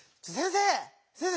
先生！